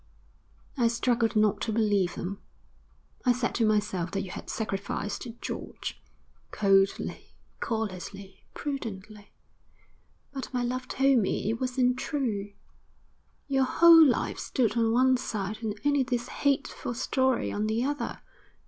I struggled not to believe them, I said to myself that you had sacrificed George, coldly, callously, prudently, but my love told me it wasn't true. Your whole life stood on one side and only this hateful story on the other.